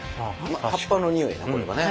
葉っぱの匂いやこれはね。